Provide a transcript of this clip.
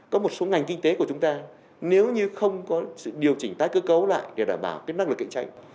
có một số ngành kinh tế của chúng ta nếu như không có sự điều chỉnh tái cơ cấu lại để đảm bảo năng lực cạnh tranh